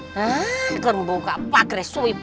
hah ga bau kapa kres soe bianget